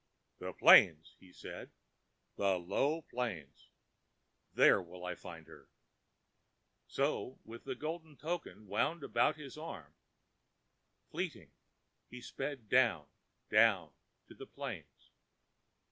ãThe plains,ã he said, ãthe low plains ... there will I find her.ã So, with the golden token wound about his arm, fleetly he sped down, down to the plains.